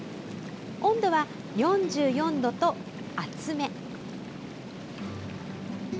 温度は４４度と、熱め。